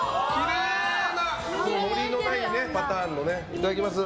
いただきます。